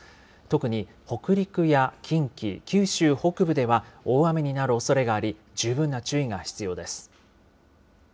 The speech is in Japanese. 特に北陸や近畿、九州北部では大雨になるおそれがあり、十分な注意が必要です。